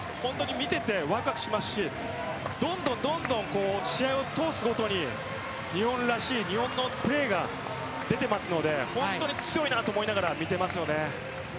見ていてわくわくしますしどんどん試合を通すごとに日本らしい日本のプレーが出ていますので本当に強いなと思いながら見ていますよね。